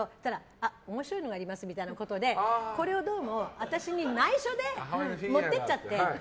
あ、面白いのがありますみたいなことでこれをどうも私に内緒で持って行っちゃって。